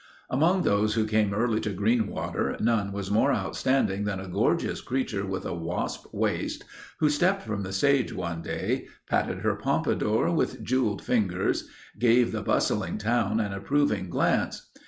Among those who came early to Greenwater, none was more outstanding than a gorgeous creature with a wasp waist who stepped from the stage one day, patted her pompadour with jewelled fingers, gave the bustling town an approving glance.